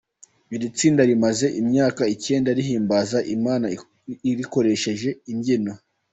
Iri tsinda rimaze imyaka icyenda rihimbaza Imana rikoresheje imbyino.